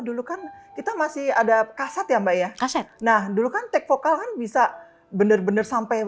dulu kan kita masih ada kasat ya mbak ya kaset nah dulu kan take vokal kan bisa bener bener sampai